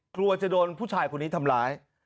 กลัวจะโดนผู้ชายคนนี้ทำร้าย